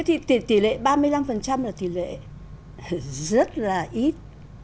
thì tỷ lệ ba mươi năm là tỷ lệ rất là ít